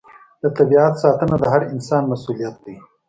د طبیعت ساتنه د هر انسان مسوولیت دی.